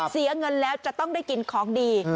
เสียเงินแล้วจะต้องได้กินของดี